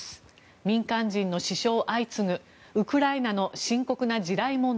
民間人の死傷相次ぐウクライナの深刻な地雷問題。